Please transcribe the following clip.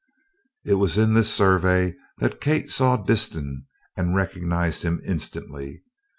It was in this survey that Kate saw Disston and recognized him instantly.